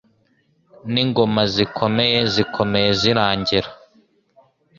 N'ingoma zikomeye zikomeye zirangira.